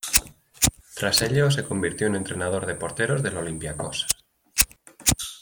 Tras ello, se convirtió en entrenador de porteros del Olympiakos.